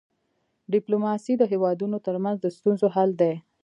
ډيپلوماسي د هيوادونو ترمنځ د ستونزو حل دی.